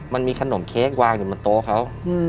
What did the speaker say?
มันมีขนมเค้กวางอยู่บนโต๊ะเขา